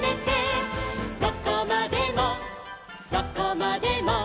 「どこまでもどこまでも」